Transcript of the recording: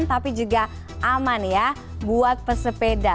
tapi juga aman ya buat pesepeda